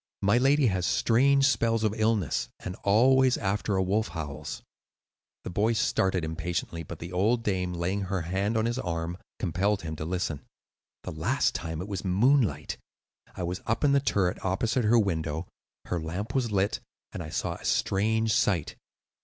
My lady has strange spells of illness, and always after a wolf howls." The boy started impatiently, but the old dame, laying her hand on his arm, compelled him to listen. "The last time it was moonlight. I was up in the turret opposite her window; her lamp was lit, and I saw a strange sight.